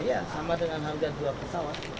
iya sama dengan harga dua pesawat